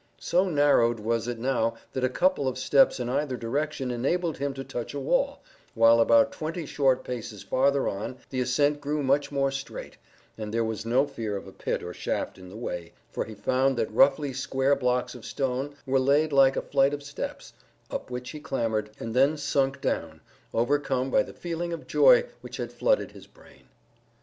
So narrowed was it now that a couple of steps in either direction enabled him to touch a wall, while about twenty short paces farther on the ascent grew much more straight, and there was no fear of a pit or shaft in the way, for he found that roughly square blocks of stone were laid like a flight of steps, up which he clambered, and then sunk down, overcome by the feeling of joy which had flooded his brain.